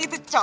itu cocok pak